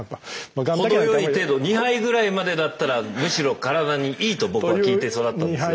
程よい程度２杯ぐらいまでだったらむしろからだにいいと僕は聞いて育ったんですが。